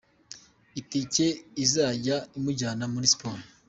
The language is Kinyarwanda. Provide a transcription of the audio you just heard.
I ticket izajya imujyana muri siporo.